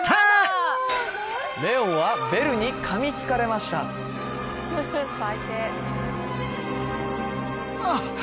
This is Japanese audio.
レオンはベルに噛みつかれましたあやだ